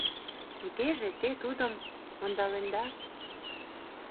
«Тугеже те тудым ондаленда.